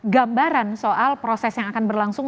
gambaran soal proses yang akan berlangsung